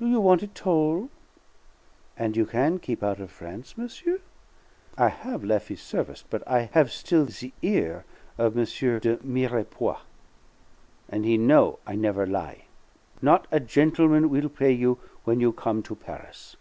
Do you want it tol'? And you can keep out of France, monsieur? I have lef' his service, but I have still the ear of M. de Mirepoix, and he know' I never lie. Not a gentleman will play you when you come to Paris."